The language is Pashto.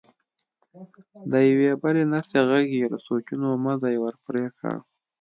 د يوې بلې نرسې غږ يې د سوچونو مزی ور پرې کړ.